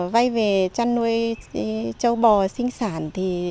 vay về chăn nuôi châu bò sinh sản